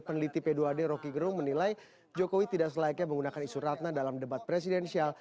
peneliti p dua d rocky gerung menilai jokowi tidak selayaknya menggunakan isu ratna dalam debat presidensial